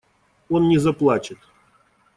Он не заплачет.